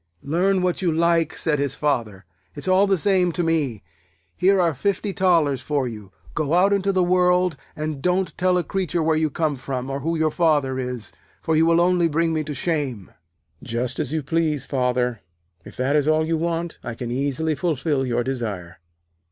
'Learn what you like,' said his Father. 'It's all the same to me. Here are fifty thalers for you. Go out into the world, and don't tell a creature where you come from, or who your Father is, for you will only bring me to shame.' 'Just as you please, Father. If that is all you want, I can easily fulfil your desire.'